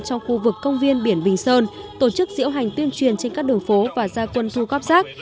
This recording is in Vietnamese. trong khu vực công viên biển bình sơn tổ chức diễu hành tuyên truyền trên các đường phố và gia quân thu góp rác